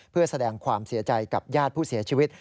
เพื่อแสดงความเสียใจกับญาติผู้เสียชีวิต